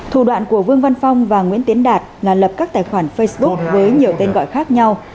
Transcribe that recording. thủ đoạn của vương văn phong và nguyễn tiến đạt là lập các tài khoản facebook với nhiều tên gọi khác nhau